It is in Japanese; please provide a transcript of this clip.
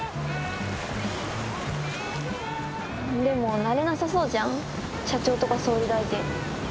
でもなれなさそうじゃん社長とか総理大臣。